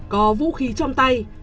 có vũ khí trong tay